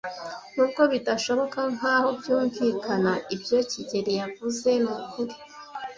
Nubwo bidashoboka nkaho byumvikana, ibyo kigeli yavuze nukuri.